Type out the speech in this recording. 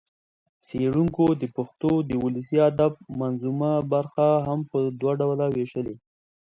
څېړنکو د پښتو د ولسي ادب منظومه برخه هم په دوه ډوله وېشلې